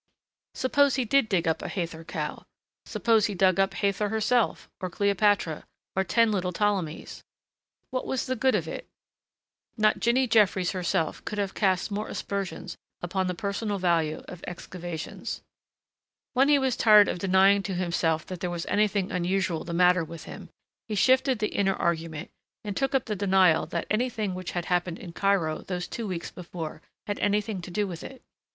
Suppose he did dig up a Hathor cow? Suppose he dug up Hathor herself, or Cleopatra, or ten little Ptolemies? What was the good of it? Not Jinny Jeffries herself could have cast more aspersions upon the personal value of excavations. When he was tired of denying to himself that there was anything unusual the matter with him, he shifted the inner argument and took up the denial that anything which had happened in Cairo those two weeks before had anything to do with it.